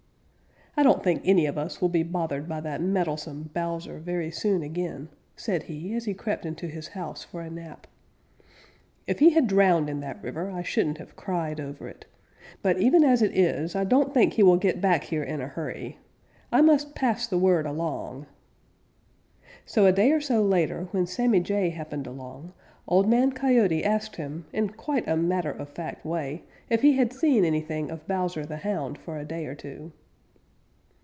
"I don't think any of us will be bothered by that meddlesome Bowser very soon again," said he, as he crept into his house for a nap. "If he had drowned in that river, I shouldn't have cried over it. But even as it is, I don't think he will get back here in a hurry. I must pass the word along." So a day or so later, when Sammy Jay happened along, Old Man Coyote asked him, in quite a matter of fact way, if he had seen anything of Bowser the Hound for a day or two.